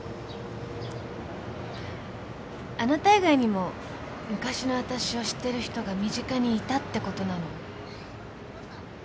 あなた以外にも昔のあたしを知ってる人が身近にいたってことなの。